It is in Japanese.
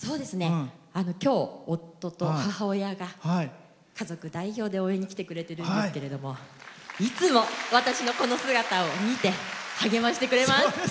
今日、夫と母親が家族代表で応援に来てくれてるんですけどいつも私のこの姿を見て励ましてくれます。